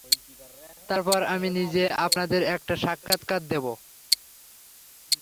তারপর আমি নিজে আপনাদের একটা সাক্ষাৎকার দেবো।